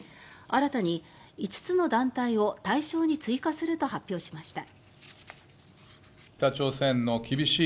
新たに５つの団体を対象に追加すると発表しました。